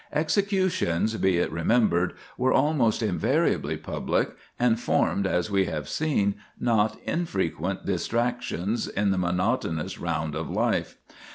Executions, be it remembered, were almost invariably public, and formed, as we have seen, not infrequent distractions in the monotonous round of life.